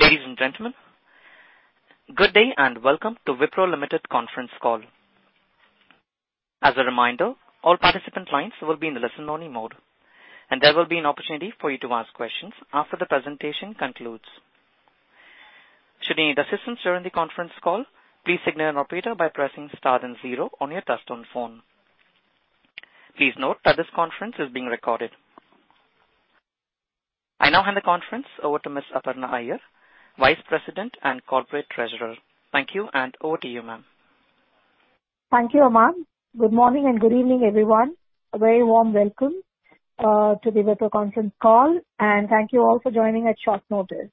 Ladies and gentlemen, good day and welcome to Wipro Limited conference call. As a reminder, all participant lines will be in the listen-only mode, and there will be an opportunity for you to ask questions after the presentation concludes. Should you need assistance during the conference call, please signal an operator by pressing star then zero on your touch-tone phone. Please note that this conference is being recorded. I now hand the conference over to Ms. Aparna Iyer, Vice President and Corporate Treasurer. Thank you, and over to you, ma'am. Thank you, Amaan. Good morning and good evening, everyone. A very warm welcome to the Wipro conference call, and thank you all for joining at short notice.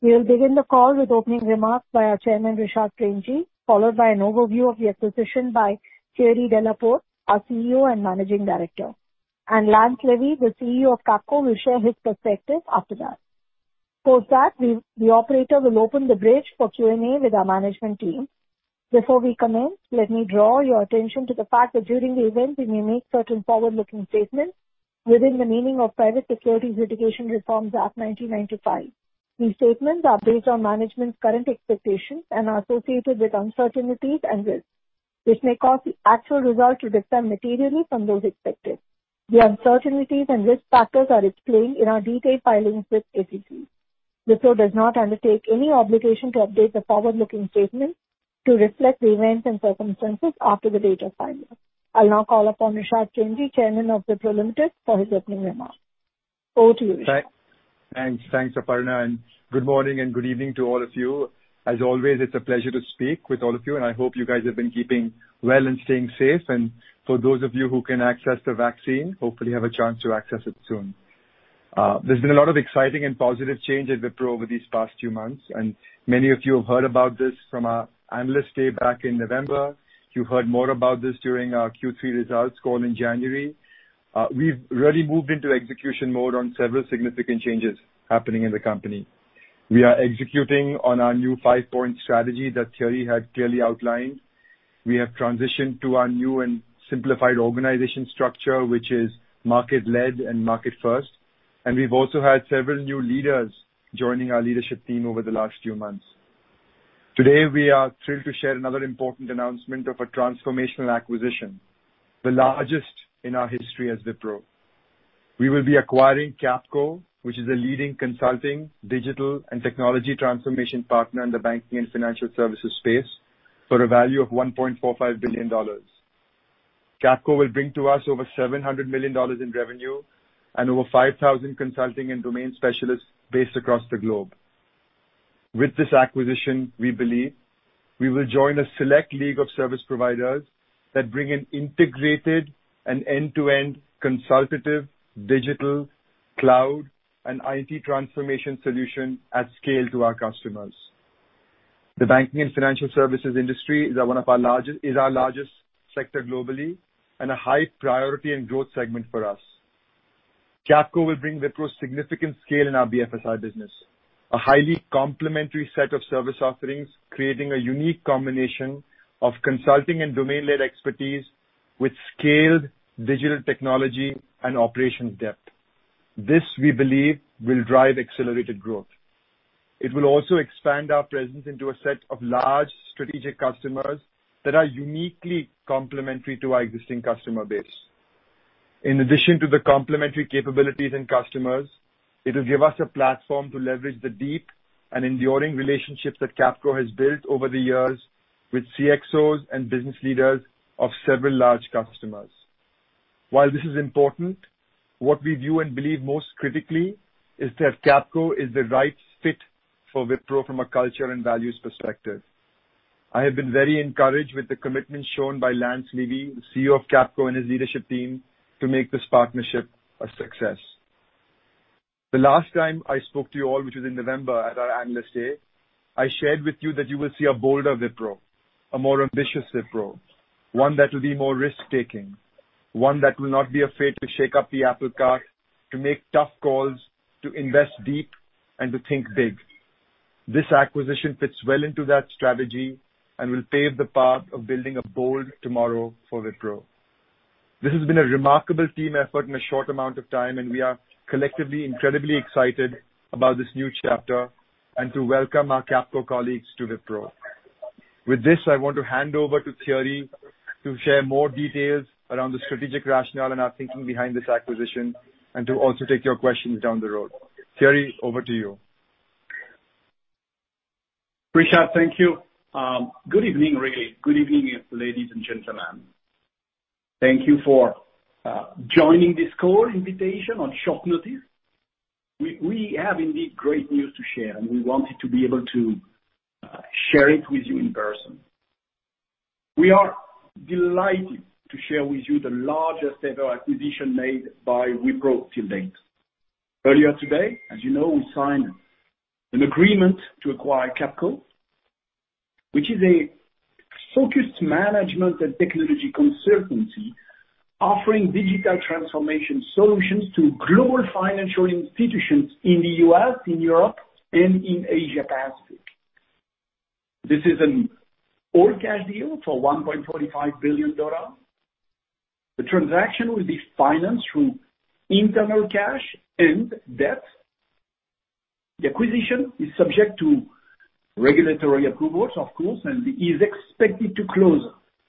We will begin the call with opening remarks by our Chairman, Rishad Premji, followed by an overview of the acquisition by Thierry Delaporte, our CEO and Managing Director, and Lance Levy, the CEO of Capco, will share his perspective after that. Post that, the operator will open the bridge for Q&A with our management team. Before we commence, let me draw your attention to the fact that during the event, we may make certain forward-looking statements within the meaning of Private Securities Litigation Reform Act of 1995. These statements are based on management's current expectations and are associated with uncertainties and risks, which may cause the actual result to differ materially from those expected. The uncertainties and risk factors are explained in our detailed filings with the SEC. Wipro does not undertake any obligation to update the forward-looking statements to reflect the events and circumstances after the date of filing. I'll now call upon Rishad Premji, Chairman of Wipro Limited, for his opening remarks. Over to you, Rishad. Thanks, Aparna. And good morning and good evening to all of you. As always, it's a pleasure to speak with all of you, and I hope you guys have been keeping well and staying safe. And for those of you who can access the vaccine, hopefully have a chance to access it soon. There's been a lot of exciting and positive change at Wipro over these past few months, and many of you have heard about this from our analysts way back in November. You heard more about this during our Q3 results call in January. We've really moved into execution mode on several significant changes happening in the company. We are executing on our new five-point strategy that Thierry had clearly outlined. We have transitioned to our new and simplified organization structure, which is market-led and market-first. And we've also had several new leaders joining our leadership team over the last few months. Today, we are thrilled to share another important announcement of a transformational acquisition, the largest in our history as Wipro. We will be acquiring Capco, which is a leading consulting, digital, and technology transformation partner in the banking and financial services space for a value of $1.45 billion. Capco will bring to us over $700 million in revenue and over 5,000 consulting and domain specialists based across the globe. With this acquisition, we believe we will join a select league of service providers that bring an integrated and end-to-end consultative, digital, cloud, and IT transformation solution at scale to our customers. The banking and financial services industry is one of our largest sectors globally and a high priority and growth segment for us. Capco will bring Wipro's significant scale in our BFSI business, a highly complementary set of service offerings creating a unique combination of consulting and domain-led expertise with scaled digital technology and operations depth. This, we believe, will drive accelerated growth. It will also expand our presence into a set of large strategic customers that are uniquely complementary to our existing customer base. In addition to the complementary capabilities and customers, it will give us a platform to leverage the deep and enduring relationships that Capco has built over the years with CXOs and business leaders of several large customers. While this is important, what we view and believe most critically is that Capco is the right fit for Wipro from a culture and values perspective. I have been very encouraged with the commitment shown by Lance Levy, the CEO of Capco and his leadership team, to make this partnership a success. The last time I spoke to you all, which was in November at our Analyst Day, I shared with you that you will see a bolder Wipro, a more ambitious Wipro, one that will be more risk-taking, one that will not be afraid to shake up the apple cart, to make tough calls, to invest deep, and to think big. This acquisition fits well into that strategy and will pave the path of building a bold tomorrow for Wipro. This has been a remarkable team effort in a short amount of time, and we are collectively incredibly excited about this new chapter and to welcome our Capco colleagues to Wipro. With this, I want to hand over to Thierry to share more details around the strategic rationale and our thinking behind this acquisition and to also take your questions down the road. Thierry, over to you. Rishad, thank you. Good evening, really. Good evening, ladies and gentlemen. Thank you for joining this call invitation on short notice. We have indeed great news to share, and we wanted to be able to share it with you in person. We are delighted to share with you the largest ever acquisition made by Wipro till date. Earlier today, as you know, we signed an agreement to acquire Capco, which is a focused management and technology consultancy offering digital transformation solutions to global financial institutions in the US, in Europe, and in Asia-Pacific. This is an all-cash deal for $1.45 billion. The transaction will be financed through internal cash and debt. The acquisition is subject to regulatory approvals, of course, and is expected to close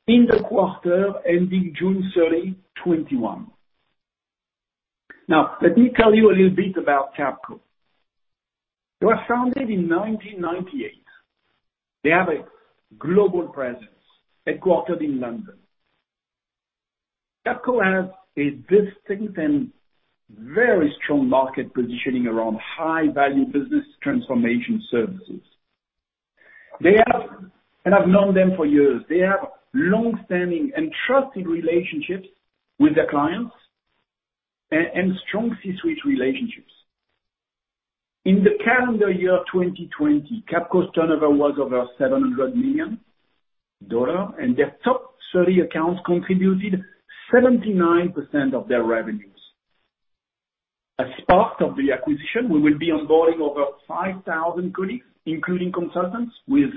in the quarter ending June 30, 2021. Now, let me tell you a little bit about Capco. They were founded in 1998. They have a global presence headquartered in London. Capco has a distinct and very strong market positioning around high-value business transformation services. They have known them for years. They have long-standing and trusted relationships with their clients and strong C-suite relationships. In the calendar year 2020, Capco's turnover was over $700 million, and their top 30 accounts contributed 79% of their revenues. As part of the acquisition, we will be onboarding over 5,000 colleagues, including consultants with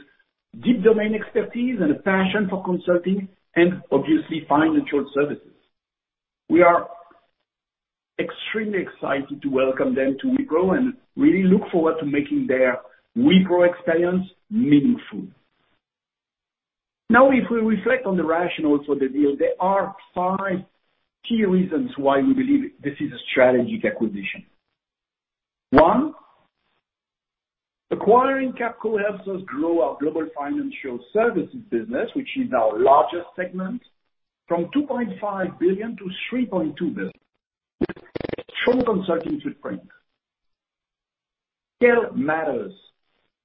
deep domain expertise and a passion for consulting and, obviously, financial services. We are extremely excited to welcome them to Wipro and really look forward to making their Wipro experience meaningful. Now, if we reflect on the rationale for the deal, there are five key reasons why we believe this is a strategic acquisition. One, acquiring Capco helps us grow our global financial services business, which is our largest segment, from $2.5 billion to $3.2 billion with a strong consulting footprint. Scale matters,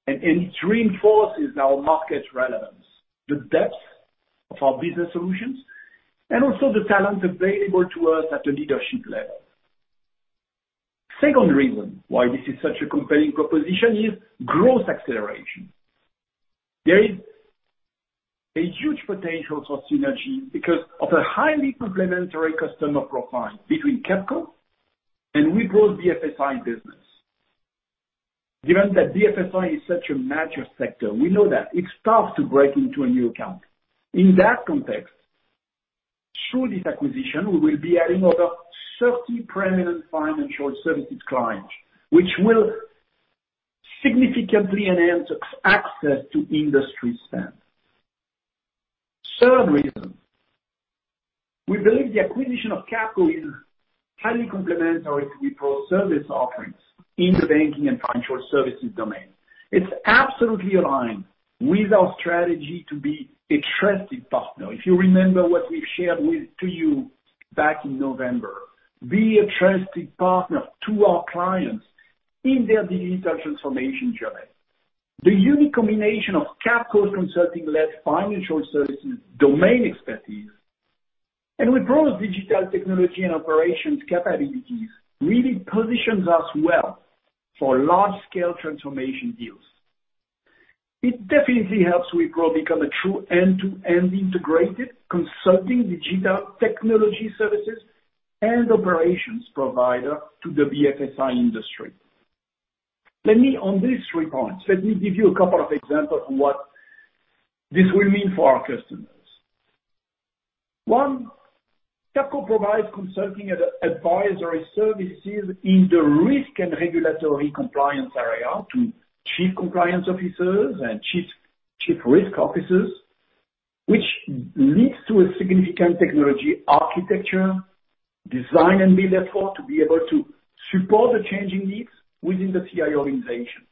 and it reinforces our market relevance, the depth of our business solutions, and also the talent available to us at the leadership level. The second reason why this is such a compelling proposition is growth acceleration. There is a huge potential for synergy because of a highly complementary customer profile between Capco and Wipro's BFSI business. Given that BFSI is such a major sector, we know that it's tough to break into a new account. In that context, through this acquisition, we will be adding over 30 prominent financial services clients, which will significantly enhance access to industry spend. The third reason, we believe the acquisition of Capco is highly complementary to Wipro's service offerings in the banking and financial services domain. It's absolutely aligned with our strategy to be a trusted partner. If you remember what we've shared with you back in November, be a trusted partner to our clients in their digital transformation journey. The unique combination of Capco's consulting-led financial services domain expertise and Wipro's digital technology and operations capabilities really positions us well for large-scale transformation deals. It definitely helps Wipro become a true end-to-end integrated consulting digital technology services and operations provider to the BFSI industry. On these three points, let me give you a couple of examples of what this will mean for our customers. One, Capco provides consulting and advisory services in the risk and regulatory compliance area to Chief Compliance Officers and Chief Risk Officers, which leads to a significant technology architecture, design, and build effort to be able to support the changing needs within the CIO organization.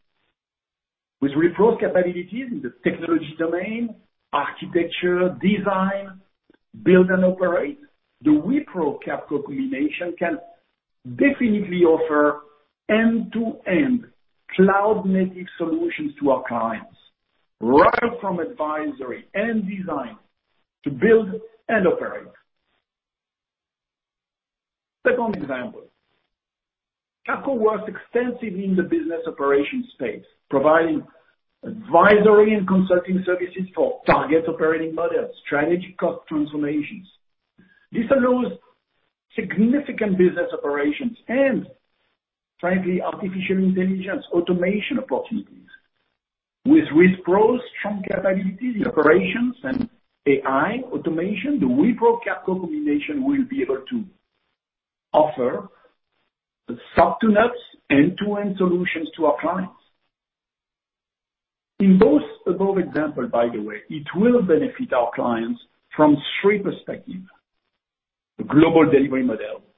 With Wipro's capabilities in the technology domain, architecture, design, build, and operate, the Wipro-Capco combination can definitely offer end-to-end cloud-native solutions to our clients, right from advisory and design to build and operate. Second example, Capco works extensively in the business operations space, providing advisory and consulting services for target operating models, strategic cost transformations. This allows significant business operations and, frankly, artificial intelligence automation opportunities. With Wipro's strong capabilities in operations and AI automation, the Wipro-Capco combination will be able to offer the subtle end-to-end solutions to our clients. In both of those examples, by the way, it will benefit our clients from three perspectives: the global delivery model, scale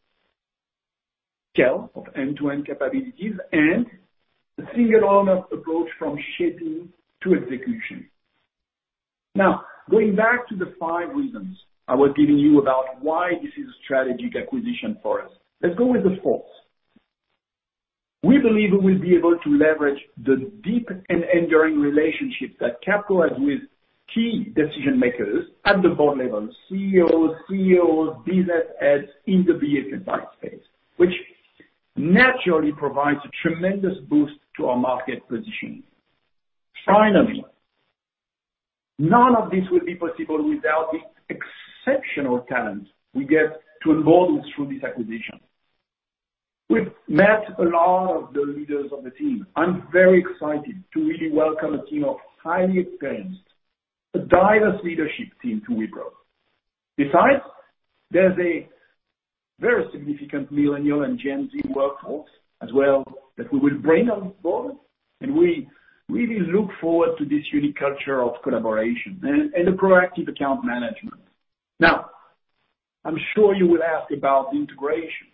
of end-to-end capabilities, and the single-owner approach from shaping to execution. Now, going back to the five reasons I was giving you about why this is a strategic acquisition for us, let's go with the fourth. We believe we will be able to leverage the deep and enduring relationship that Capco has with key decision-makers at the board level, CEOs, CIOs, business heads in the BFSI space, which naturally provides a tremendous boost to our market position. Finally, none of this will be possible without the exceptional talent we get to onboard through this acquisition. We've met a lot of the leaders of the team. I'm very excited to really welcome a team of highly experienced, diverse leadership team to Wipro. Besides, there's a very significant millennial and Gen Z workforce as well that we will bring on board, and we really look forward to this unique culture of collaboration and the proactive account management. Now, I'm sure you will ask about the integration.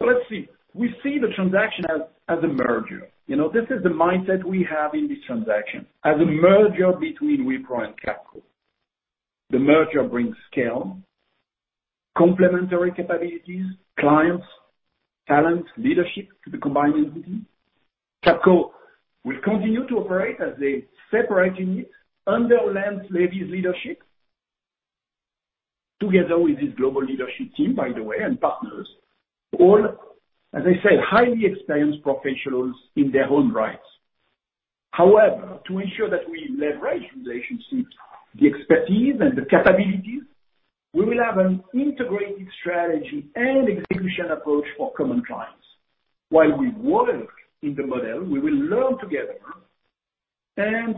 Let's see. We see the transaction as a merger. This is the mindset we have in this transaction as a merger between Wipro and Capco. The merger brings scale, complementary capabilities, clients, talent, leadership to the combined entity. Capco will continue to operate as a separate unit under Lance Levy's leadership together with his global leadership team, by the way, and partners, all, as I said, highly experienced professionals in their own right. However, to ensure that we leverage relationships, the expertise, and the capabilities, we will have an integrated strategy and execution approach for common clients. While we work in the model, we will learn together and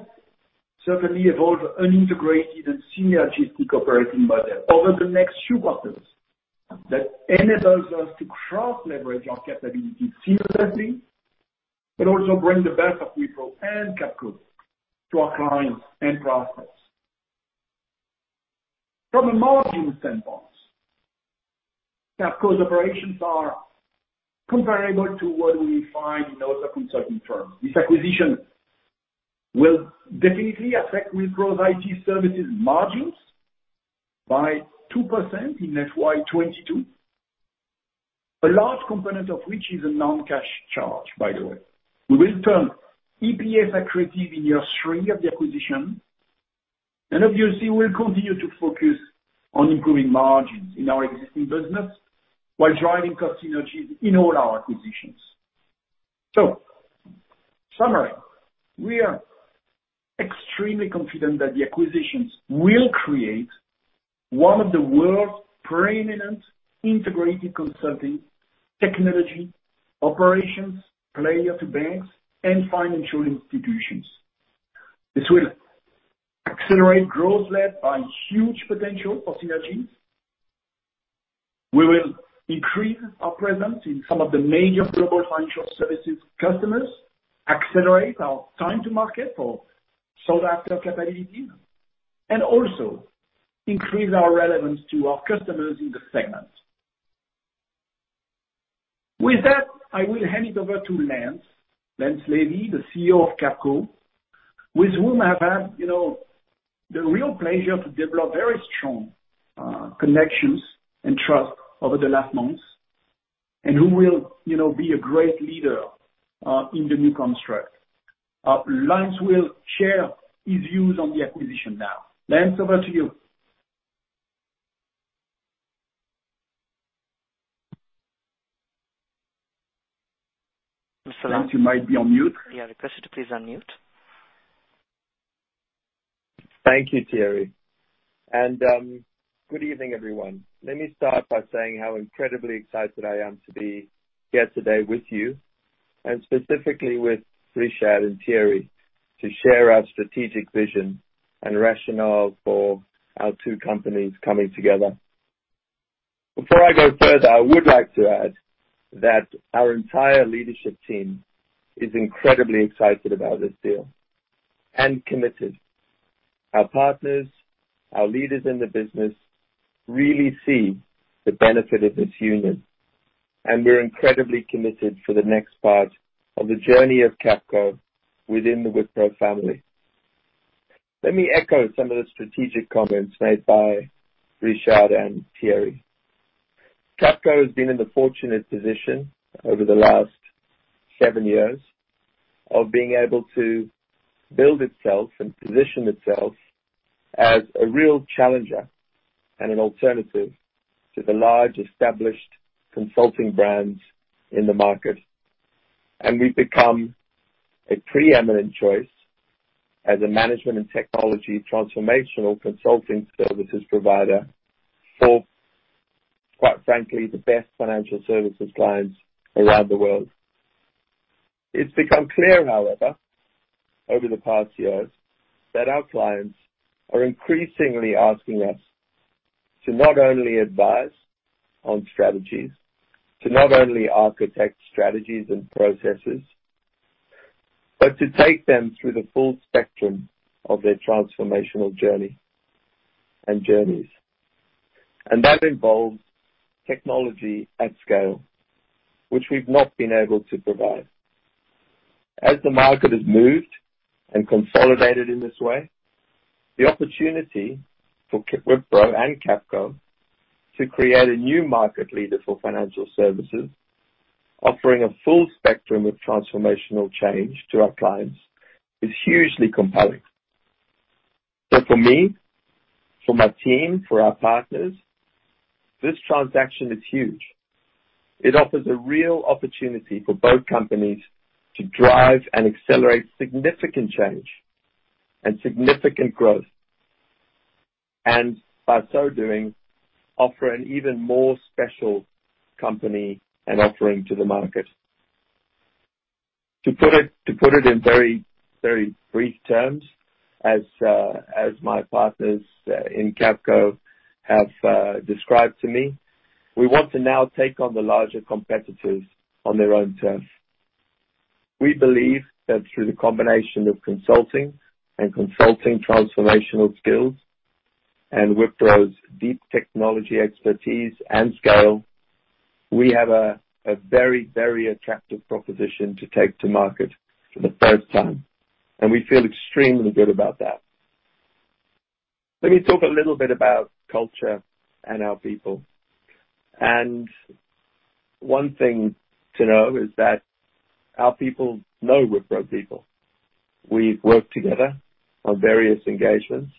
certainly evolve an integrated and synergistic operating model over the next few quarters that enables us to cross-leverage our capabilities seamlessly, but also bring the best of Wipro and Capco to our clients and prospects. From a margin standpoint, Capco's operations are comparable to what we find in other consulting firms. This acquisition will definitely affect Wipro's IT services margins by 2% in FY 2022, a large component of which is a non-cash charge, by the way. We will turn EPS accretive in year three of the acquisition, and obviously, we'll continue to focus on improving margins in our existing business while driving cost synergies in all our acquisitions. So, summary, we are extremely confident that the acquisitions will create one of the world's prominent integrated consulting technology operations players to banks and financial institutions. This will accelerate growth led by huge potential for synergies. We will increase our presence in some of the major global financial services customers, accelerate our time-to-market for sought-after capabilities, and also increase our relevance to our customers in the segment. With that, I will hand it over to Lance Levy, the CEO of Capco, with whom I have had the real pleasure to develop very strong connections and trust over the last months and who will be a great leader in the new construct. Lance will share his views on the acquisition now. Lance, over to you. Thanks. Lance, you might be on mute. Yeah, requested to please unmute. Thank you, Thierry. And good evening, everyone. Let me start by saying how incredibly excited I am to be here today with you and specifically with Rishad and Thierry to share our strategic vision and rationale for our two companies coming together. Before I go further, I would like to add that our entire leadership team is incredibly excited about this deal and committed. Our partners, our leaders in the business really see the benefit of this union, and we're incredibly committed for the next part of the journey of Capco within the Wipro family. Let me echo some of the strategic comments made by Rishad and Thierry. Capco has been in the fortunate position over the last seven years of being able to build itself and position itself as a real challenger and an alternative to the large established consulting brands in the market. We've become a preeminent choice as a management and technology transformational consulting services provider for, quite frankly, the best financial services clients around the world. It's become clear, however, over the past years that our clients are increasingly asking us to not only advise on strategies, to not only architect strategies and processes, but to take them through the full spectrum of their transformational journey and journeys. That involves technology at scale, which we've not been able to provide. As the market has moved and consolidated in this way, the opportunity for Wipro and Capco to create a new market leader for financial services, offering a full spectrum of transformational change to our clients, is hugely compelling. For me, for my team, for our partners, this transaction is huge. It offers a real opportunity for both companies to drive and accelerate significant change and significant growth, and by so doing, offer an even more special company and offering to the market. To put it in very, very brief terms, as my partners in Capco have described to me, we want to now take on the larger competitors on their own turf. We believe that through the combination of consulting and consulting transformational skills and Wipro's deep technology expertise and scale, we have a very, very attractive proposition to take to market for the first time, and we feel extremely good about that. Let me talk a little bit about culture and our people, and one thing to know is that our people know Wipro people. We've worked together on various engagements,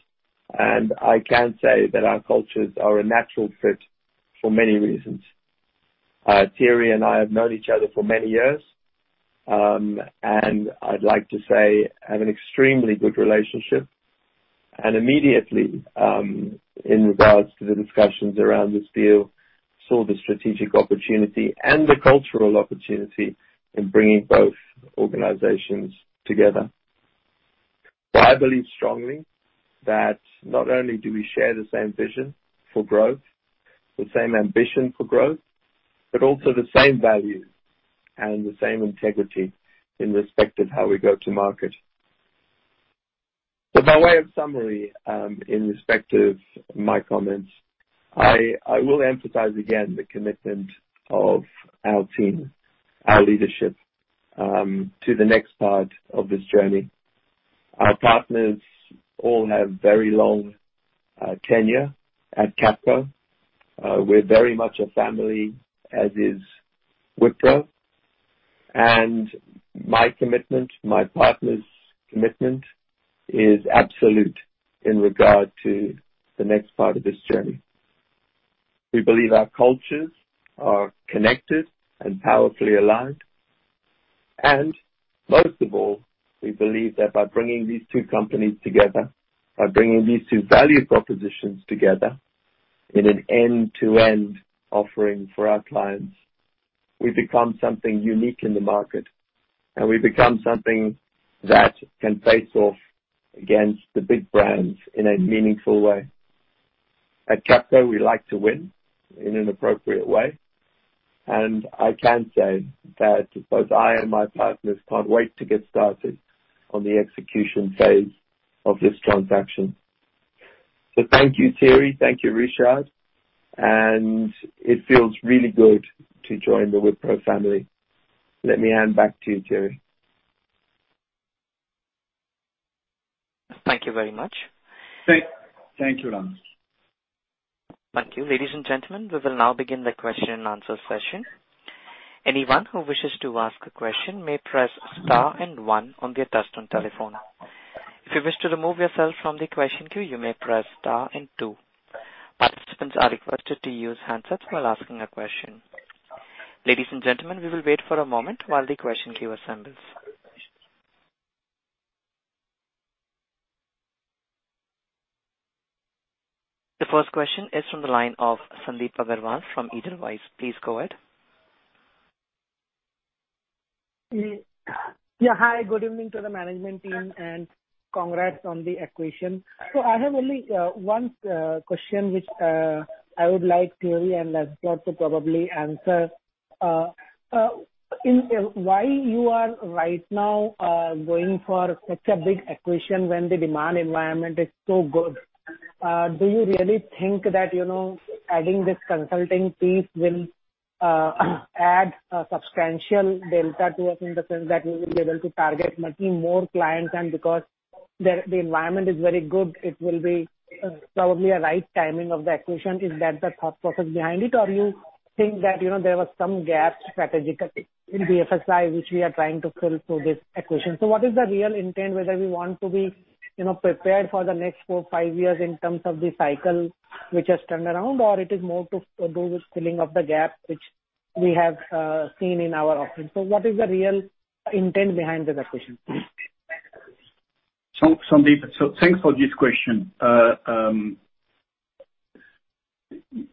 and I can say that our cultures are a natural fit for many reasons. Thierry and I have known each other for many years, and I'd like to say I have an extremely good relationship. Immediately, in regards to the discussions around this deal, I saw the strategic opportunity and the cultural opportunity in bringing both organizations together. I believe strongly that not only do we share the same vision for growth, the same ambition for growth, but also the same value and the same integrity in respect of how we go to market. By way of summary, in respect of my comments, I will emphasize again the commitment of our team, our leadership, to the next part of this journey. Our partners all have very long tenure at Capco. We're very much a family, as is Wipro. My commitment, my partner's commitment, is absolute in regard to the next part of this journey. We believe our cultures are connected and powerfully aligned. And most of all, we believe that by bringing these two companies together, by bringing these two value propositions together in an end-to-end offering for our clients, we become something unique in the market, and we become something that can face off against the big brands in a meaningful way. At Capco, we like to win in an appropriate way. And I can say that both I and my partners can't wait to get started on the execution phase of this transaction. So thank you, Thierry. Thank you, Rishad. And it feels really good to join the Wipro family. Let me hand back to you, Thierry. Thank you very much. Thank you, Lance. Thank you. Ladies and gentlemen, we will now begin the question-and-answer session. Anyone who wishes to ask a question may press star and one on their touchtone telephone. If you wish to remove yourself from the question queue, you may press star and two. Participants are requested to use handsets while asking a question. Ladies and gentlemen, we will wait for a moment while the question queue assembles. The first question is from the line of Sandeep Agarwal from Edelweiss. Please go ahead. Yeah, hi. Good evening to the management team and congrats on the acquisition. So I have only one question which I would like Thierry and Lance to probably answer. Why you are right now going for such a big acquisition when the demand environment is so good? Do you really think that adding this consulting piece will add a substantial delta to us in the sense that we will be able to target many more clients? And because the environment is very good, it will be probably a right timing of the acquisition. Is that the thought process behind it, or do you think that there were some gaps strategically in the FSI which we are trying to fill through this acquisition? So what is the real intent, whether we want to be prepared for the next four, five years in terms of the cycle which has turned around, or it is more to do with filling of the gap which we have seen in our offering? So what is the real intent behind this acquisition? Thanks for this question.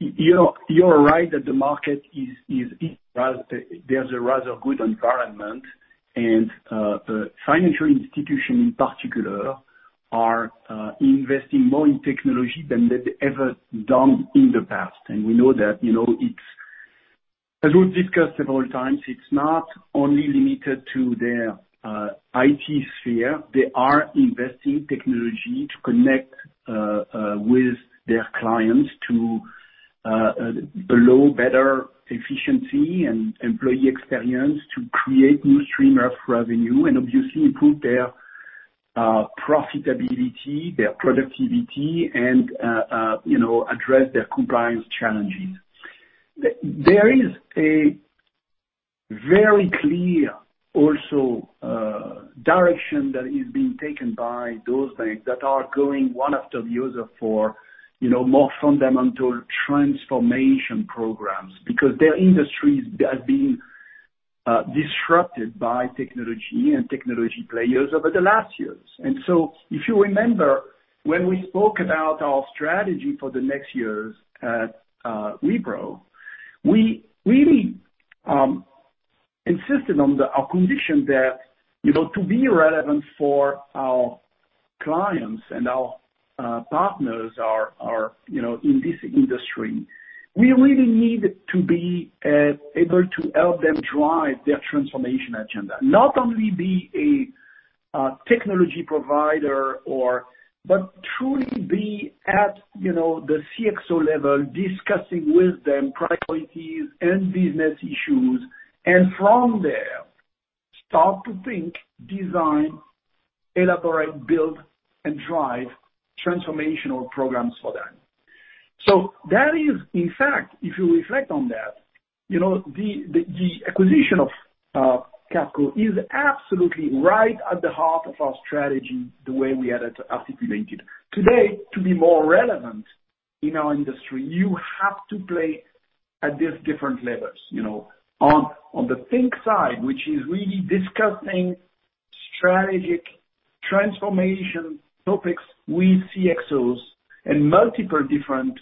You're right that the market is. There's a rather good environment, and financial institutions in particular are investing more in technology than they've ever done in the past, and we know that, as we've discussed several times, it's not only limited to their IT sphere. They are investing in technology to connect with their clients to allow better efficiency and employee experience to create new streams of revenue and obviously improve their profitability, their productivity, and address their compliance challenges. There is also a very clear direction that is being taken by those banks that are going one after the other for more fundamental transformation programs because their industry has been disrupted by technology and technology players over the last years. And so if you remember, when we spoke about our strategy for the next years at Wipro, we really insisted on our conviction that to be relevant for our clients and our partners in this industry, we really need to be able to help them drive their transformation agenda. Not only be a technology provider, but truly be at the CXO level discussing with them priorities and business issues, and from there, start to think, design, elaborate, build, and drive transformational programs for them. So that is, in fact, if you reflect on that, the acquisition of Capco is absolutely right at the heart of our strategy, the way we had it articulated. Today, to be more relevant in our industry, you have to play at these different levels. On the think side, which is really discussing strategic transformation topics with CXOs and multiple different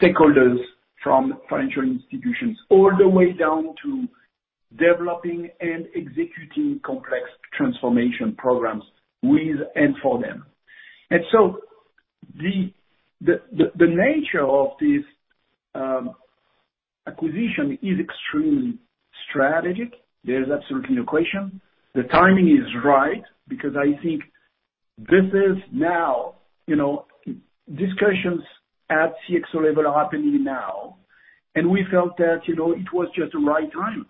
stakeholders from financial institutions all the way down to developing and executing complex transformation programs with and for them, and so the nature of this acquisition is extremely strategic. There's absolutely no question. The timing is right because I think this is now, discussions at CXO level are happening now, and we felt that it was just the right time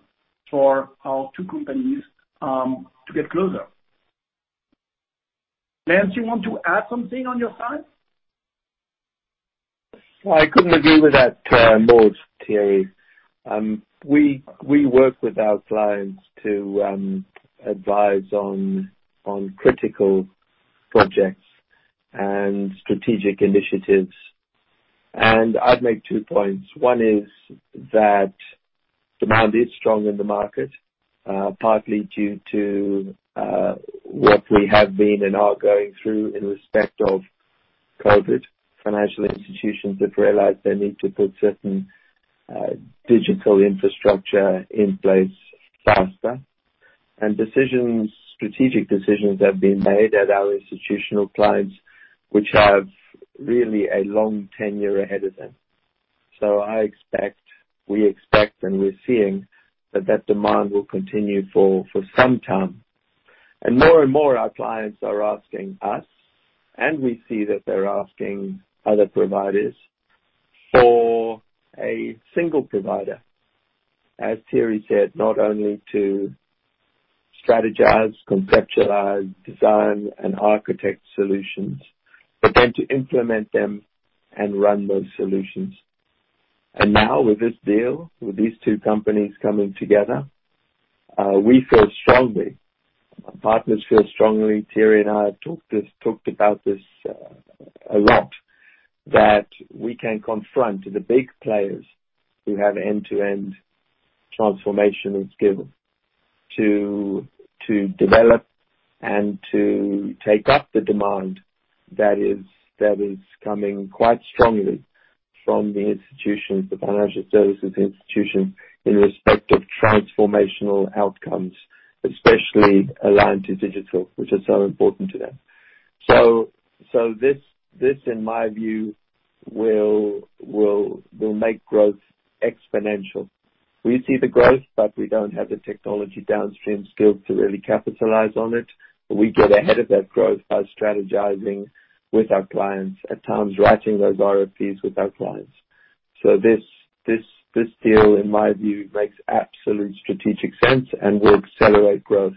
for our two companies to get closer. Lance, you want to add something on your side? I couldn't agree with that more, Thierry. We work with our clients to advise on critical projects and strategic initiatives, and I'd make two points. One is that demand is strong in the market, partly due to what we have been and are going through in respect of COVID. Financial institutions have realized they need to put certain digital infrastructure in place faster, and strategic decisions have been made at our institutional clients, which have really a long tenure ahead of them, so I expect, we expect, and we're seeing that that demand will continue for some time, and more and more, our clients are asking us, and we see that they're asking other providers for a single provider, as Thierry said, not only to strategize, conceptualize, design, and architect solutions, but then to implement them and run those solutions. Now, with this deal, with these two companies coming together, we feel strongly, our partners feel strongly, Thierry and I have talked about this a lot, that we can confront the big players who have end-to-end transformation and skill to develop and to take up the demand that is coming quite strongly from the institutions, the financial services institutions, in respect of transformational outcomes, especially aligned to digital, which are so important to them. This, in my view, will make growth exponential. We see the growth, but we don't have the technology downstream skills to really capitalize on it. We get ahead of that growth by strategizing with our clients, at times writing those RFPs with our clients. This deal, in my view, makes absolute strategic sense and will accelerate growth.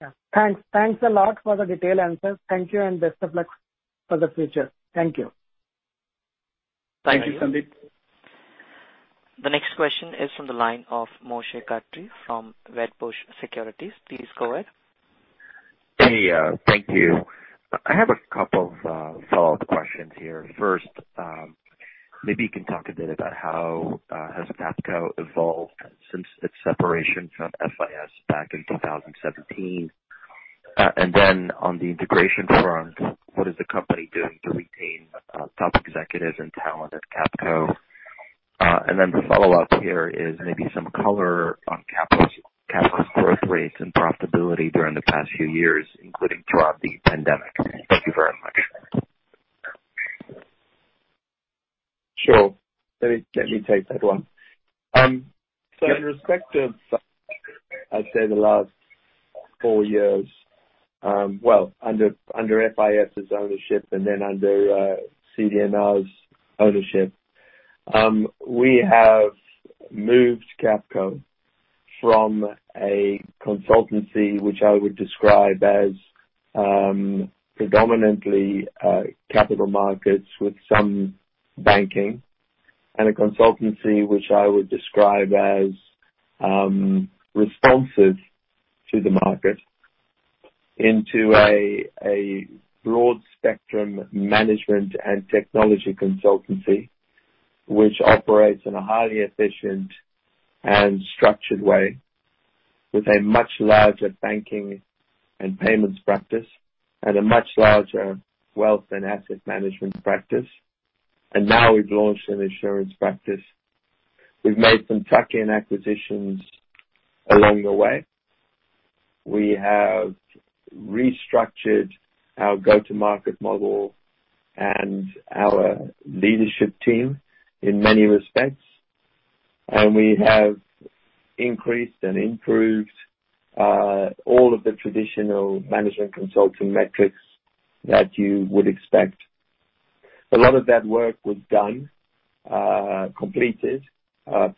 Yeah. Thanks a lot for the detailed answers. Thank you and best of luck for the future. Thank you. Thank you, Sandeep. The next question is from the line of Moshe Katri from Wedbush Securities. Please go ahead. Thank you. I have a couple of follow-up questions here. First, maybe you can talk a bit about how has Capco evolved since its separation from FIS back in 2017? And then on the integration front, what is the company doing to retain top executives and talent at Capco? And then the follow-up here is maybe some color on Capco's growth rates and profitability during the past few years, including throughout the pandemic. Thank you very much. Sure. Let me take that one. So in respect of, I'd say, the last four years well, under FIS's ownership and then under CD&R's ownership, we have moved Capco from a consultancy, which I would describe as predominantly capital markets with some banking, and a consultancy, which I would describe as responsive to the market, into a broad-spectrum management and technology consultancy, which operates in a highly efficient and structured way with a much larger banking and payments practice and a much larger wealth and asset management practice. And now we've launched an insurance practice. We've made some tuck-in acquisitions along the way. We have restructured our go-to-market model and our leadership team in many respects. And we have increased and improved all of the traditional management consulting metrics that you would expect. A lot of that work was done, completed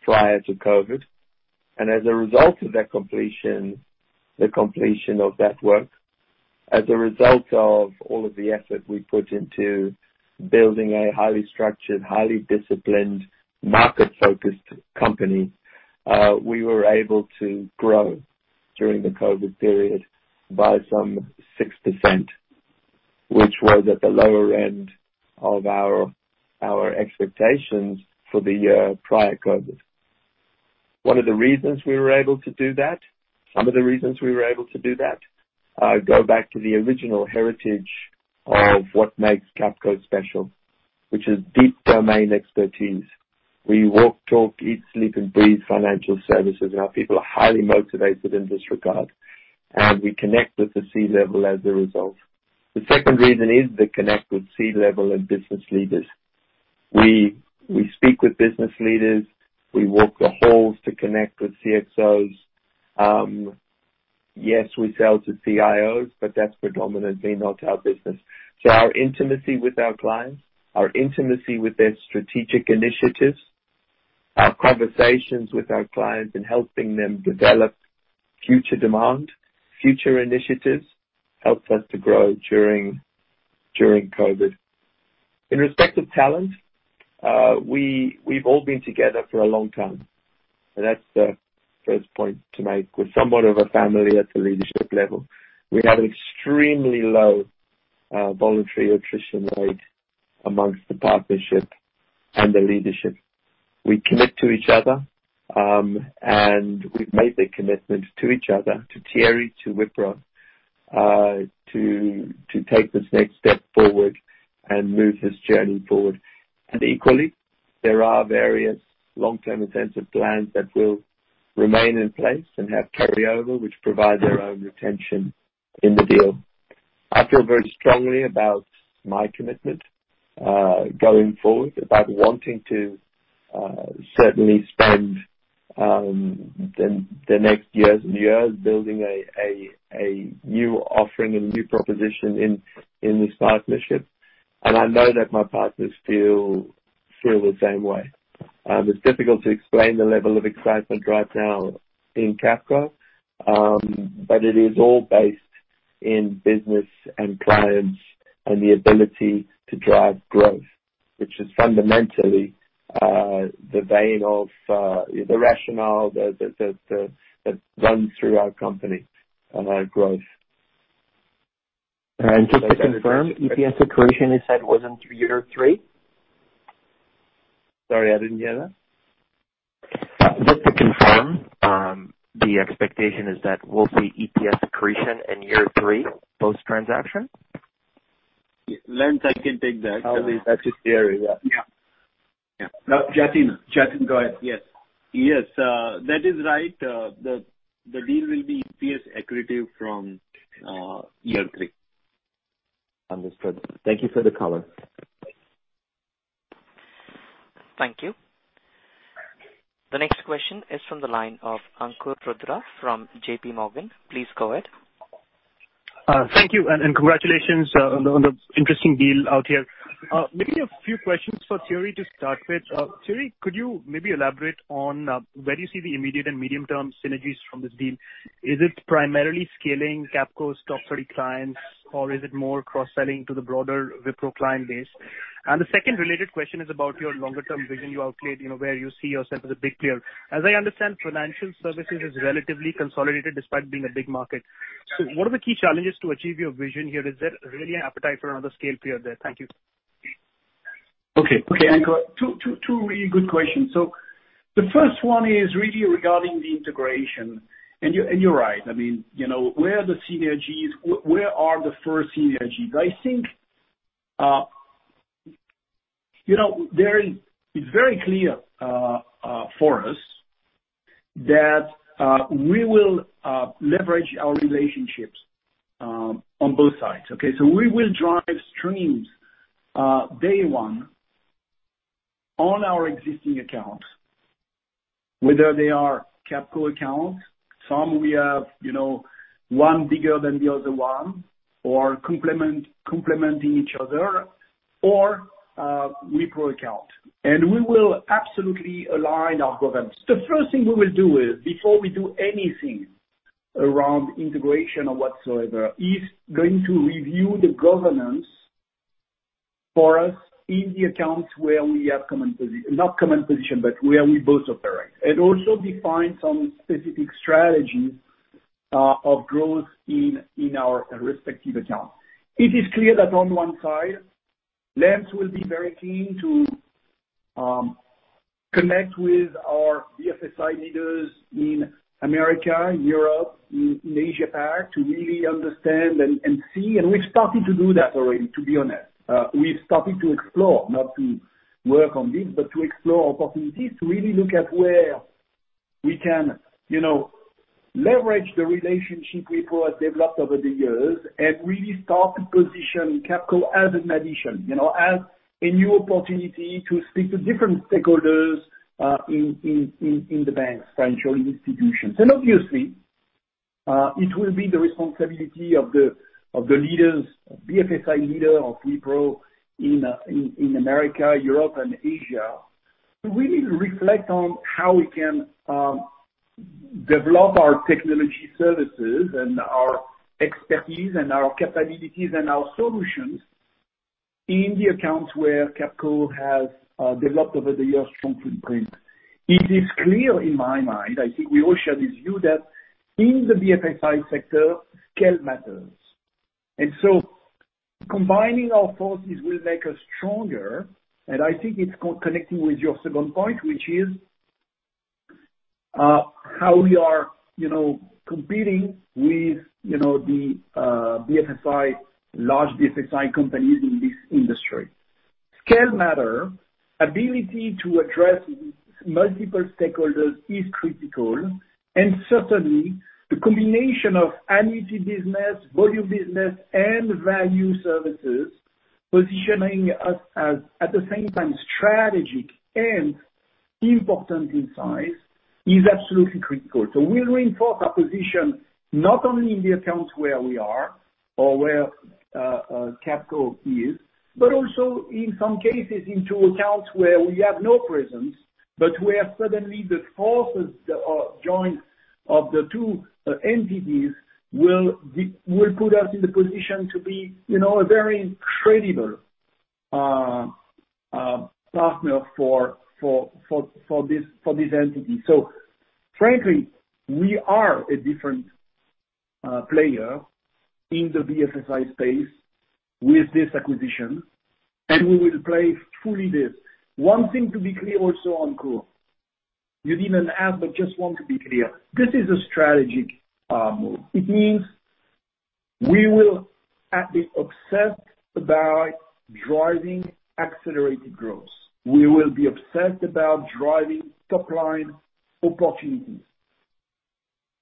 prior to COVID. And as a result of that completion, the completion of that work, as a result of all of the effort we put into building a highly structured, highly disciplined, market-focused company, we were able to grow during the COVID period by some 6%, which was at the lower end of our expectations for the year prior to COVID. One of the reasons we were able to do that, some of the reasons we were able to do that go back to the original heritage of what makes Capco special, which is deep domain expertise. We walk, talk, eat, sleep, and breathe financial services, and our people are highly motivated in this regard. And we connect with the C-level as a result. The second reason is the connect with C-level and business leaders. We speak with business leaders. We walk the halls to connect with CXOs. Yes, we sell to CIOs, but that's predominantly not our business, so our intimacy with our clients, our intimacy with their strategic initiatives, our conversations with our clients, and helping them develop future demand, future initiatives helped us to grow during COVID. In respect of talent, we've all been together for a long time, and that's the first point to make. We're somewhat of a family at the leadership level. We have an extremely low voluntary attrition rate among the partnership and the leadership. We commit to each other, and we've made the commitment to each other, to Thierry, to Wipro, to take this next step forward and move this journey forward, and equally, there are various long-term incentive plans that will remain in place and have carryover, which provide their own retention in the deal. I feel very strongly about my commitment going forward, about wanting to certainly spend the next years and years building a new offering and a new proposition in this partnership, and I know that my partners feel the same way. It's difficult to explain the level of excitement right now in Capco, but it is all based in business and clients and the ability to drive growth, which is fundamentally the vein of the rationale that runs through our company, growth. Just to confirm, EPS accretion you said wasn't year three? Sorry, I didn't hear that. Just to confirm, the expectation is that we'll see EPS accretion in year three, post-transaction? Lance, I can take that. That's just Thierry, yeah. Yeah. Yeah. No, Jatin. Jatin, go ahead. Yes. Yes. That is right. The deal will be EPS accretive from year three. Understood. Thank you for the color. Thank you. The next question is from the line of Ankur Rudra from J.P. Morgan. Please go ahead. Thank you and congratulations on the interesting deal announced here. Maybe a few questions for Thierry to start with. Thierry, could you maybe elaborate on where do you see the immediate and medium-term synergies from this deal? Is it primarily scaling Capco's top 30 clients, or is it more cross-selling to the broader Wipro client base? And the second related question is about your longer-term vision you outlined, where you see yourself as a big player. As I understand, financial services is relatively consolidated despite being a big market. So what are the key challenges to achieve your vision here? Is there really an appetite for another scale player there? Thank you. Okay. Okay, Ankur, two really good questions. So the first one is really regarding the integration. And you're right. I mean, where are the synergies? Where are the first synergies? I think it's very clear for us that we will leverage our relationships on both sides. Okay? So we will drive streams day one on our existing accounts, whether they are Capco accounts, some we have one bigger than the other one, or complementing each other, or Wipro account. And we will absolutely align our governance. The first thing we will do is, before we do anything around integration or whatsoever, is going to review the governance for us in the accounts where we have common position, not common position, but where we both operate. And also define some specific strategies of growth in our respective accounts. It is clear that on one side, Lance will be very keen to connect with our BFSI leaders in America, in Europe, in Asia-Pac to really understand and see, and we've started to do that already, to be honest. We've started to explore, not to work on this, but to explore opportunities to really look at where we can leverage the relationship Wipro has developed over the years and really start to position Capco as an addition, as a new opportunity to speak to different stakeholders in the banks, financial institutions, and obviously, it will be the responsibility of the leaders, BFSI leader of Wipro in America, Europe, and Asia, to really reflect on how we can develop our technology services and our expertise and our capabilities and our solutions in the accounts where Capco has developed over the years strong footprint. It is clear in my mind. I think we all share this view, that in the BFSI sector, scale matters. And so combining our forces will make us stronger. And I think it's connecting with your second point, which is how we are competing with the large BFSI companies in this industry. Scale matters. Ability to address multiple stakeholders is critical. And certainly, the combination of annuity business, volume business, and value services, positioning us as at the same time strategic and important in size, is absolutely critical. So we'll reinforce our position not only in the accounts where we are or where Capco is, but also in some cases into accounts where we have no presence, but where suddenly the joint forces of the two entities will put us in the position to be a very credible partner for this entity. So frankly, we are a different player in the BFSI space with this acquisition, and we will play fully this. One thing to be clear also, Ankur, you didn't ask, but just want to be clear. This is a strategic move. It means we will be obsessed about driving accelerated growth. We will be obsessed about driving top-line opportunities.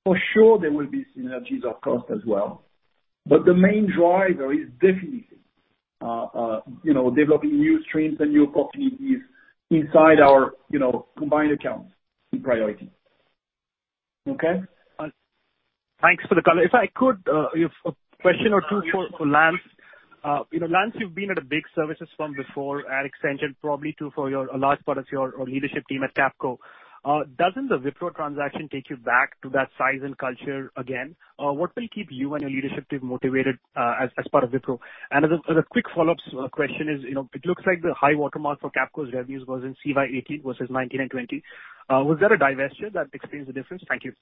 For sure, there will be synergies of cost as well. But the main driver is definitely developing new streams and new opportunities inside our combined accounts in priority. Okay. Thanks for the color. If I could, a question or two for Lance. Lance, you've been at a big services firm before and extended probably to a large part of your leadership team at Capco. Doesn't the Wipro transaction take you back to that size and culture again? What will keep you and your leadership team motivated as part of Wipro? And as a quick follow-up question is, it looks like the high watermark for Capco's revenues was in CY18 versus 19 and 20. Was there a divestiture that explains the difference? Thank you.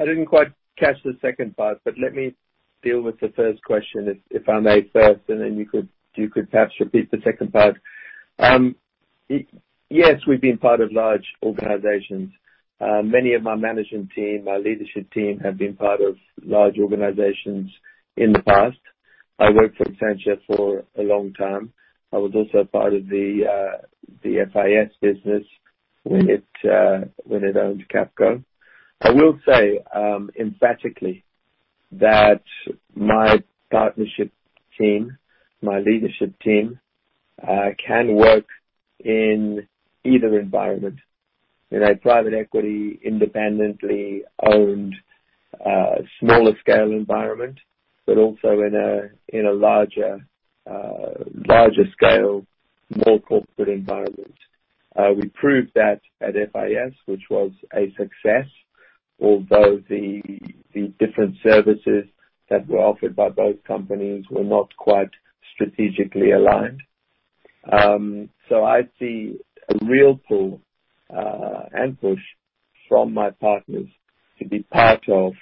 I didn't quite catch the second part, but let me deal with the first question, if I may first, and then you could perhaps repeat the second part. Yes, we've been part of large organizations. Many of my management team, my leadership team have been part of large organizations in the past. I worked for Accenture for a long time. I was also part of the FIS business when it owned Capco. I will say emphatically that my partnership team, my leadership team, can work in either environment, in a private equity independently owned smaller-scale environment, but also in a larger-scale, more corporate environment. We proved that at FIS, which was a success, although the different services that were offered by both companies were not quite strategically aligned. I see a real pull and push from my partners to be part of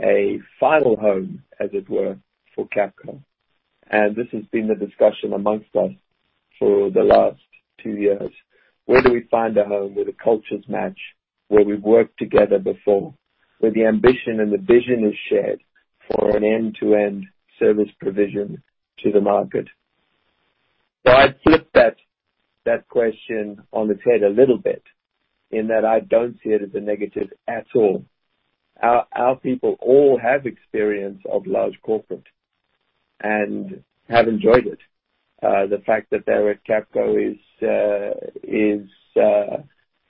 a final home, as it were, for Capco. This has been the discussion amongst us for the last two years. Where do we find a home where the cultures match, where we've worked together before, where the ambition and the vision is shared for an end-to-end service provision to the market? I'd flip that question on its head a little bit in that I don't see it as a negative at all. Our people all have experience of large corporate and have enjoyed it. The fact that they're at Capco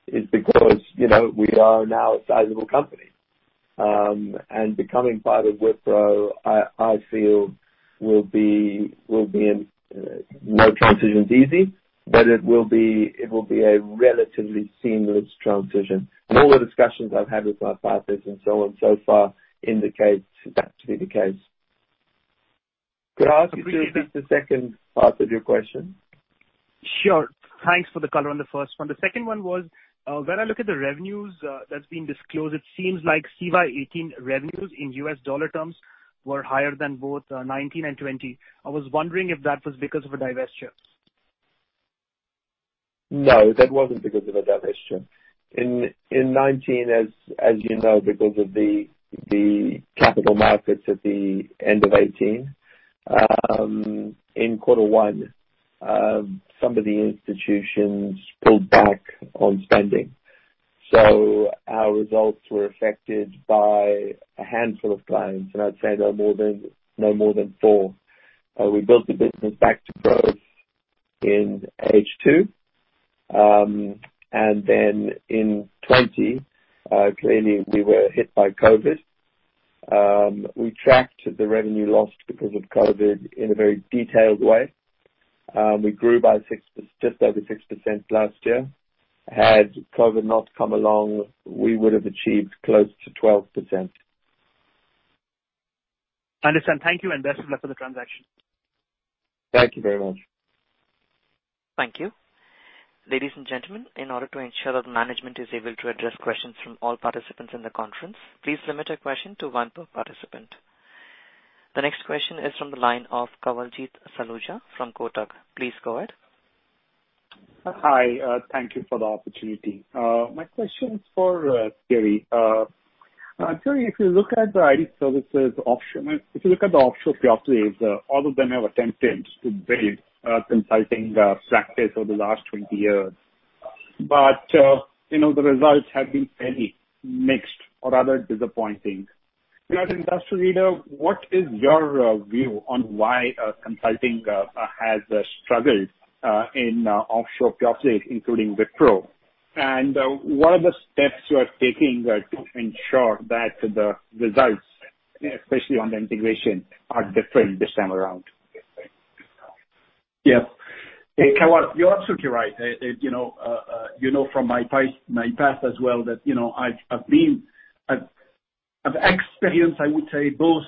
is because we are now a sizable company. Becoming part of Wipro, I feel, will be. No transition is easy, but it will be a relatively seamless transition. All the discussions I've had with my partners and so on so far indicate that to be the case. Could I ask you to repeat the second part of your question? Sure. Thanks for the color on the first one. The second one was, when I look at the revenues that's been disclosed, it seems like CY 2018 revenues in U.S. dollar terms were higher than both 2019 and 2020. I was wondering if that was because of a divestiture? No, that wasn't because of a divestiture. In 2019, as you know, because of the capital markets at the end of 2018, in quarter one, some of the institutions pulled back on spending. So our results were affected by a handful of clients, and I'd say no more than four. We built the business back to growth in H2. And then in 2020, clearly, we were hit by COVID. We tracked the revenue lost because of COVID in a very detailed way. We grew by just over 6% last year. Had COVID not come along, we would have achieved close to 12%. Understood. Thank you and best of luck for the transaction. Thank you very much. Thank you. Ladies and gentlemen, in order to ensure that management is able to address questions from all participants in the conference, please limit your question to one per participant. The next question is from the line of Kawaljeet Saluja from Kotak. Please go ahead. Hi. Thank you for the opportunity. My question is for Thierry. Thierry, if you look at the IT services options, if you look at the offshore pure players, all of them have attempted to build consulting practice over the last 20 years. But the results have been fairly mixed or rather disappointing. As an industry leader, what is your view on why consulting has struggled in offshore pure players, including Wipro? And what are the steps you are taking to ensure that the results, especially on the integration, are different this time around? Yes. Kawaljeet, you're absolutely right. You know from my past as well that I've experienced, I would say, both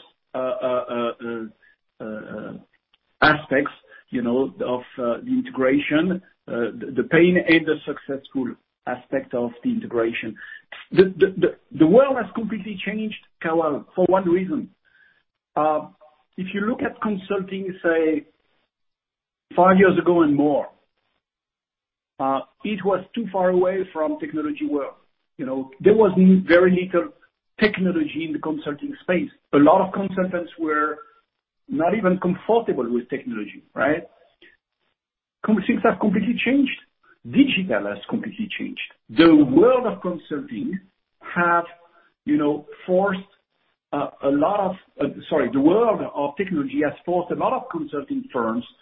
aspects of the integration, the pain and the successful aspect of the integration. The world has completely changed, Kawaljeet, for one reason. If you look at consulting, say, five years ago and more, it was too far away from technology world. There was very little technology in the consulting space. A lot of consultants were not even comfortable with technology, right? Things have completely changed. Digital has completely changed. The world of consulting has forced a lot of, sorry, the world of technology has forced a lot of consulting firms to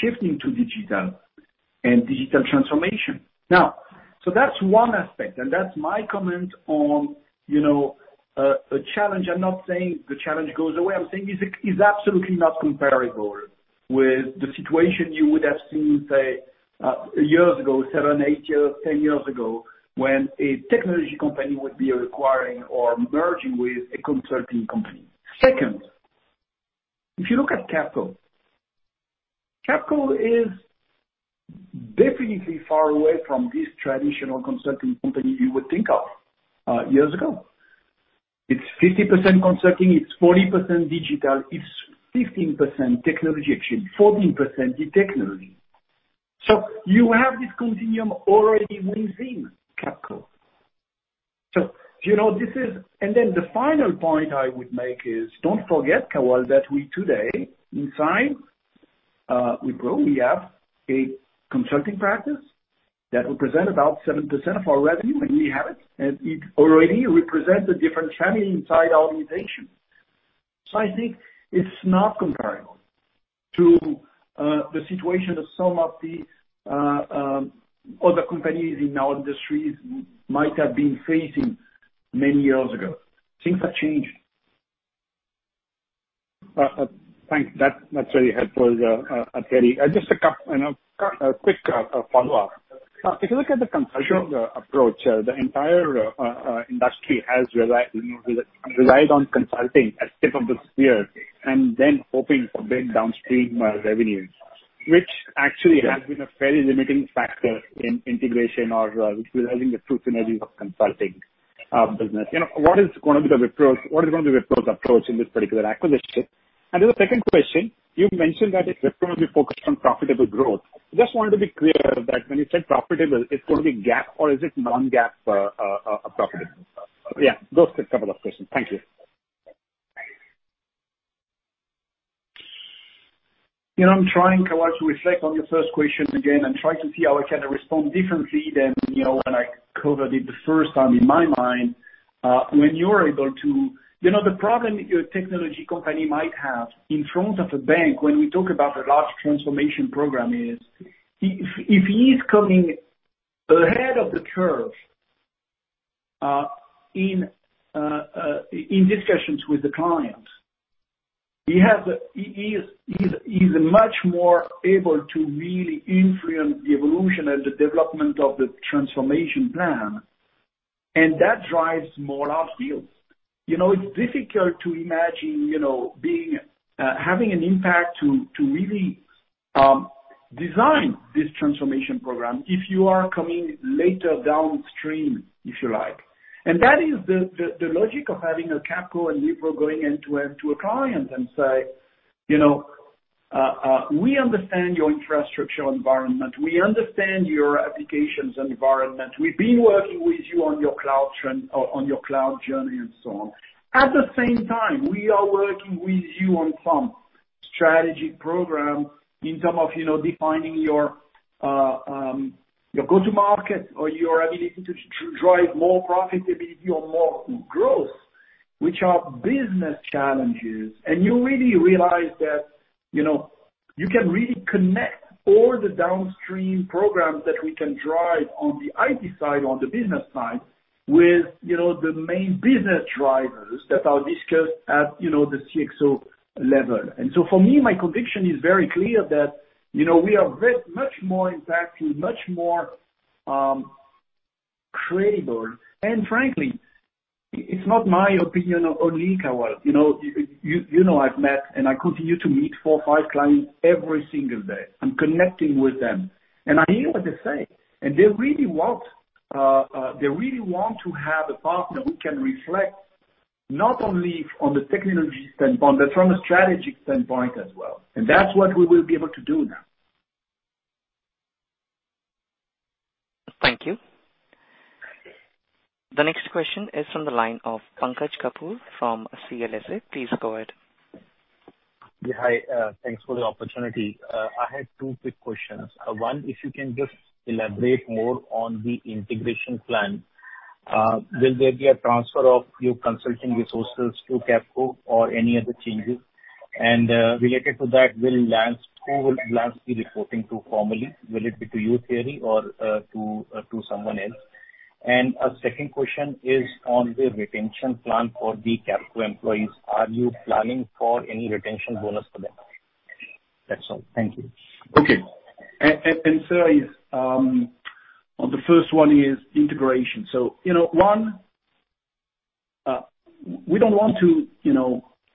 shift into digital and digital transformation. Now, so that's one aspect. And that's my comment on a challenge. I'm not saying the challenge goes away. I'm saying it's absolutely not comparable with the situation you would have seen, say, years ago, seven, eight years, ten years ago, when a technology company would be requiring or merging with a consulting company. Second, if you look at Capco, Capco is definitely far away from this traditional consulting company you would think of years ago. It's 50% consulting. It's 40% digital. It's 15% technology action, 14% technology. So you have this continuum already within Capco. So this is, and then the final point I would make is, don't forget, Kawaljeet, that we today, inside Wipro, we have a consulting practice that represents about 7% of our revenue, and we have it. And it already represents a different family inside our organization. So I think it's not comparable to the situation that some of the other companies in our industries might have been facing many years ago. Things have changed. Thanks. That's very helpful, Thierry. Just a quick follow-up. If you look at the consulting approach, the entire industry has relied on consulting at the tip of the spear and then hoping for big downstream revenues, which actually has been a fairly limiting factor in integration or utilizing the two synergies of consulting business. What is going to be Wipro's approach in this particular acquisition? And then the second question, you mentioned that Wipro will be focused on profitable growth. Just wanted to be clear that when you said profitable, it's going to be GAAP, or is it non-GAAP profitable? Yeah. Go ahead, a couple of questions. Thank you. I'm trying, Kawaljeet, to reflect on your first question again and try to see how I can respond differently than when I covered it the first time in my mind. When you're able to, the problem a technology company might have in front of a bank when we talk about the large transformation program is, if he's coming ahead of the curve in discussions with the client, he's much more able to really influence the evolution and the development of the transformation plan. And that drives more large deals. It's difficult to imagine having an impact to really design this transformation program if you are coming later downstream, if you like. And that is the logic of having a Capco and Wipro going end to end to a client and say, "We understand your infrastructure environment. We understand your applications environment. We've been working with you on your cloud journey and so on." At the same time, we are working with you on some strategic program in terms of defining your go-to-market or your ability to drive more profitability or more growth, which are business challenges. And you really realize that you can really connect all the downstream programs that we can drive on the IT side or on the business side with the main business drivers that are discussed at the CXO level. And so for me, my conviction is very clear that we are much more impactful, much more credible. And frankly, it's not my opinion only, Kawaljeet. You know I've met, and I continue to meet four or five clients every single day. I'm connecting with them. And I hear what they say. And they really want to have a partner who can reflect not only on the technology standpoint, but from a strategic standpoint as well. And that's what we will be able to do now. Thank you. The next question is from the line of Pankaj Kapoor from CLSA. Please go ahead. Yeah. Hi. Thanks for the opportunity. I had two quick questions. One, if you can just elaborate more on the integration plan. Will there be a transfer of your consulting resources to Capco or any other changes? And related to that, who will Lance be reporting to formally? Will it be to you, Thierry, or to someone else? And a second question is on the retention plan for the Capco employees. Are you planning for any retention bonus for them? That's all. Thank you. Okay. And Thierry, the first one is integration. So one, we don't want to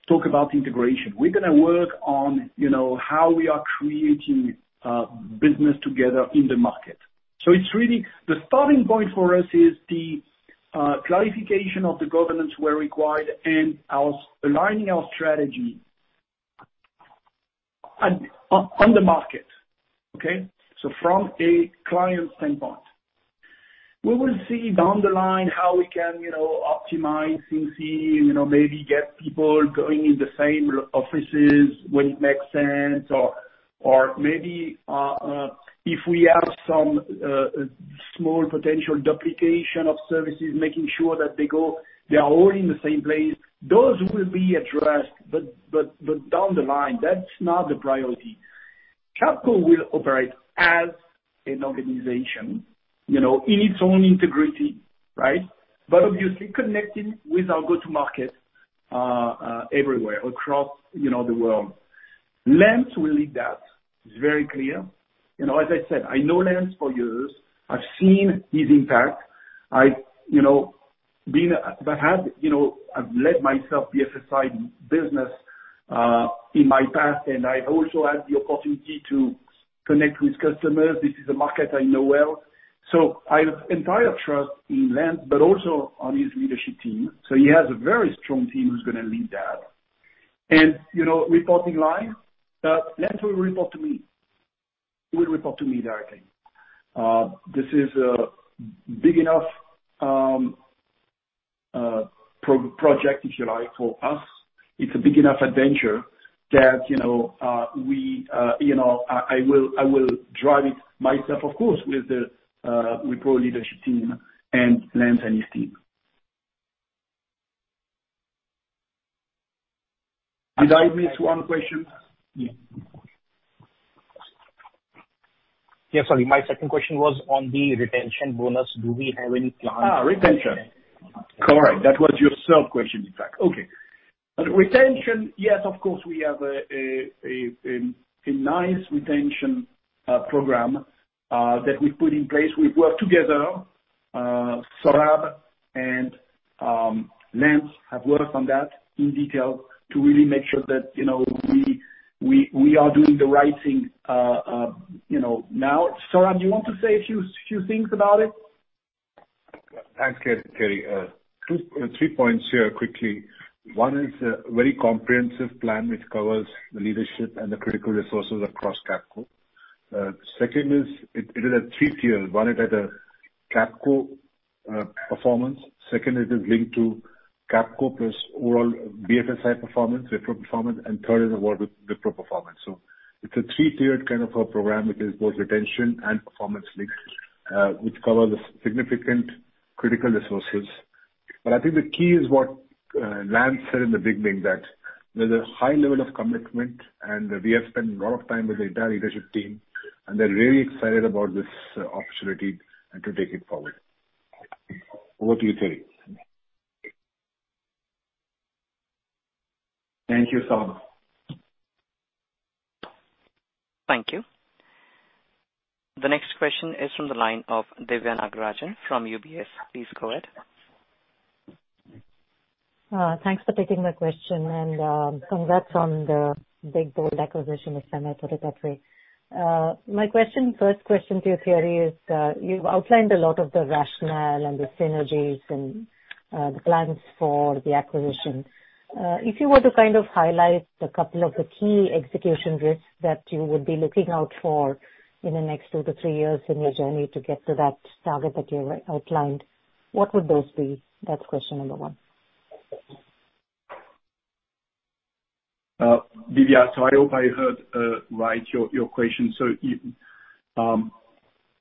talk about integration. We're going to work on how we are creating business together in the market. So it's really the starting point for us is the clarification of the governance where required and aligning our strategy on the market, okay? So from a client standpoint, we will see down the line how we can optimize things here, maybe get people going in the same offices when it makes sense, or maybe if we have some small potential duplication of services, making sure that they are all in the same place. Those will be addressed. But down the line, that's not the priority. Capco will operate as an organization in its own entity, right? But obviously, connecting with our go-to-market everywhere across the world. Lance will lead that. It's very clear. As I said, I know Lance for years. I've seen his impact. I've led myself the FSI business in my past, and I've also had the opportunity to connect with customers. This is a market I know well. So I have entire trust in Lance, but also on his leadership team. So he has a very strong team who's going to lead that. And reporting line, Lance will report to me. He will report to me directly. This is a big enough project, if you like, for us. It's a big enough adventure that we will drive it myself, of course, with the Wipro leadership team and Lance and his team. Did I miss one question? Yeah. Yeah. Sorry. My second question was on the retention bonus. Do we have any plan? Retention. Correct. That was your third question, in fact. Okay. Retention, yes, of course, we have a nice retention program that we've put in place. We've worked together. Saurabh and Lance have worked on that in detail to really make sure that we are doing the right thing now. Saurabh, you want to say a few things about it? Thanks, Thierry. Three points here quickly. One is a very comprehensive plan which covers the leadership and the critical resources across Capco. Second is it is a three-tier. One is at the Capco performance. Second is linked to Capco plus overall BFSI performance, Wipro performance, and third is Wipro performance. So it's a three-tiered kind of a program which is both retention and performance linked, which covers significant critical resources. But I think the key is what Lance said in the beginning, that there's a high level of commitment, and we have spent a lot of time with the entire leadership team, and they're really excited about this opportunity and to take it forward. Over to you, Thierry. Thank you, Saurabh. Thank you. The next question is from the line of Diviya Nagarajan from UBS. Please go ahead. Thanks for taking my question and congrats on the big bold acquisition, if I may put it that way. My question, first question to you, Thierry, is you've outlined a lot of the rationale and the synergies and the plans for the acquisition. If you were to kind of highlight a couple of the key execution risks that you would be looking out for in the next two to three years in your journey to get to that target that you've outlined, what would those be? That's question number one. Diviya, I hope I heard your question right. So,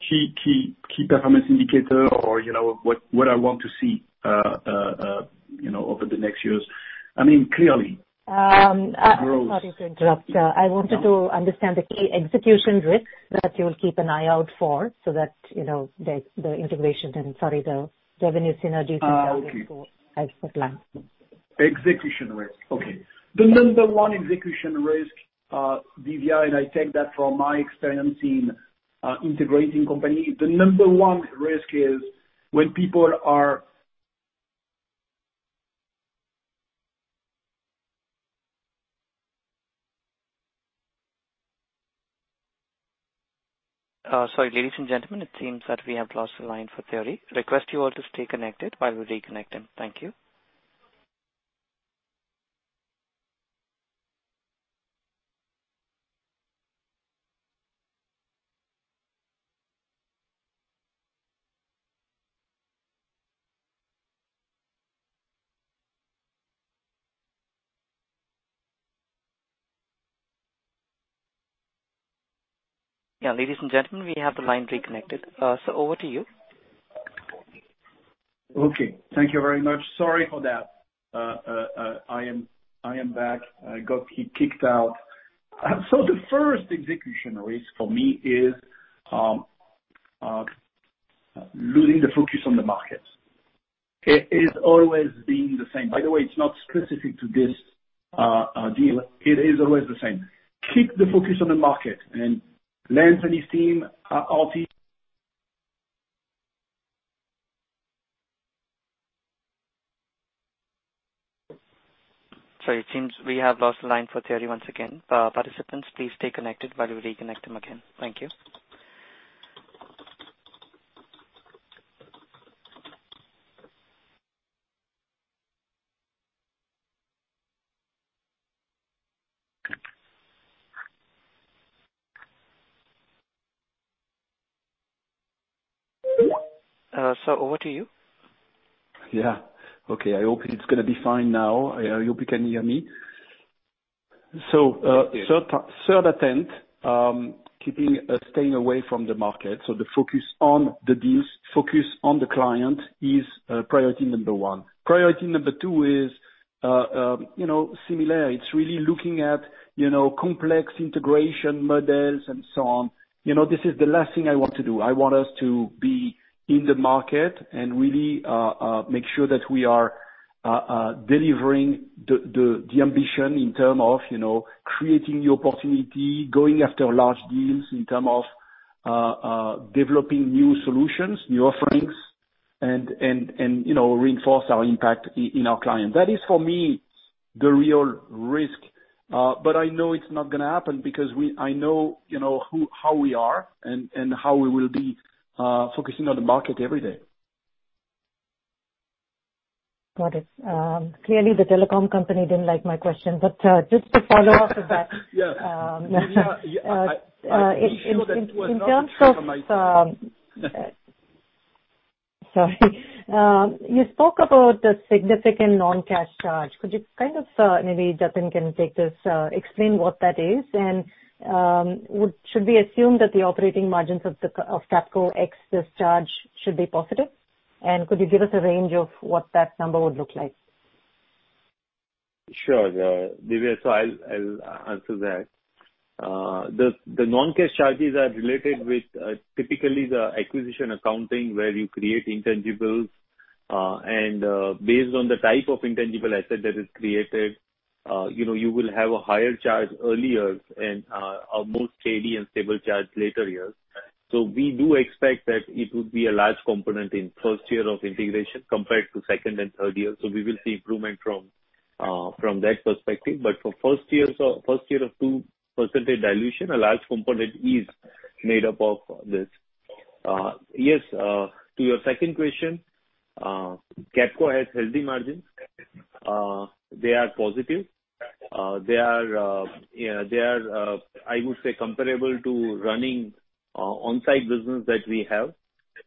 key performance indicator or what I want to see over the next years. I mean, clearly, growth. Sorry to interrupt. I wanted to understand the key execution risks that you'll keep an eye out for so that the integration and, sorry, the revenue synergies and so on are put in place. Execution risk. Okay. The number one execution risk, Diviya, and I take that from my experience in integrating companies. The number one risk is when people are. Sorry. Ladies and gentlemen, it seems that we have lost the line for Thierry. Request you all to stay connected while we reconnect him. Thank you. Yeah. Ladies and gentlemen, we have the line reconnected. So over to you. Okay. Thank you very much. Sorry for that. I am back. I got kicked out, so the first execution risk for me is losing the focus on the market. It is always being the same. By the way, it's not specific to this deal. It is always the same. Keep the focus on the market. And Lance and his team, our team. Sorry. It seems we have lost the line for Thierry once again. Participants, please stay connected while we reconnect him again. Thank you. So over to you. Yeah. Okay. I hope it's going to be fine now. I hope you can hear me so third attempt, keeping staying away from the market so the focus on the deals, focus on the client is priority number one. Priority number two is similar. It's really looking at complex integration models and so on. This is the last thing I want to do. I want us to be in the market and really make sure that we are delivering the ambition in terms of creating new opportunity, going after large deals in terms of developing new solutions, new offerings, and reinforce our impact in our client. That is, for me, the real risk but I know it's not going to happen because I know how we are and how we will be focusing on the market every day. Got it. Clearly, the telecom company didn't like my question. But just to follow up with that. Yeah. Yeah. I think it was. In terms of. Sorry. Sorry. You spoke about the significant non-cash charge. Could you kind of maybe Jatin can take this? Explain what that is. And should we assume that the operating margins of Capco ex this charge should be positive? And could you give us a range of what that number would look like? Sure. Diviya, so I'll answer that. The non-cash charges are related with typically the acquisition accounting where you create intangibles. And based on the type of intangible asset that is created, you will have a higher charge earlier and a more steady and stable charge later years. So we do expect that it would be a large component in first year of integration compared to second and third year. So we will see improvement from that perspective. But for first year of 2% dilution, a large component is made up of this. Yes. To your second question, Capco has healthy margins. They are positive. They are, I would say, comparable to running on-site business that we have.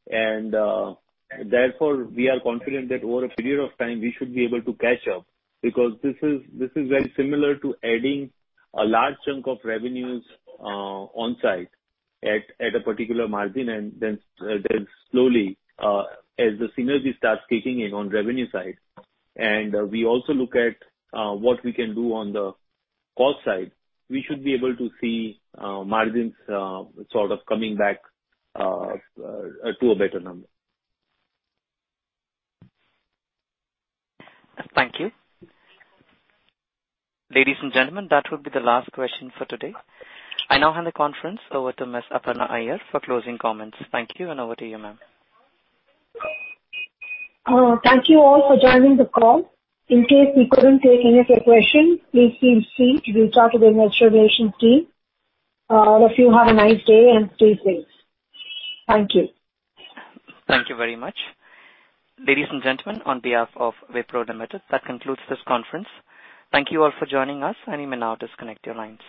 Therefore, we are confident that over a period of time, we should be able to catch up because this is very similar to adding a large chunk of revenues on-site at a particular margin and then slowly, as the synergy starts kicking in on revenue side. We also look at what we can do on the cost side. We should be able to see margins sort of coming back to a better number. Thank you. Ladies and gentlemen, that would be the last question for today. I now hand the conference over to Ms. Aparna Iyer for closing comments. Thank you, and over to you, ma'am. Thank you all for joining the call. In case we couldn't take any of your questions, please feel free to reach out to the investor relations team. I hope you have a nice day and stay safe. Thank you. Thank you very much. Ladies and gentlemen, on behalf of Wipro and Capco, that concludes this conference. Thank you all for joining us, and you may now disconnect your lines.